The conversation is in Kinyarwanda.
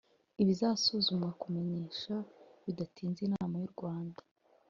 ibizasuzumwa kumenyesha bidatinze inama yurwanda